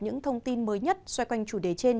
những thông tin mới nhất xoay quanh chủ đề trên